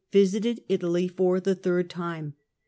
visited Italy for the third time.